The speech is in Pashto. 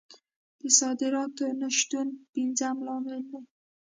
د صادراتو نه شتون پنځم لامل دی.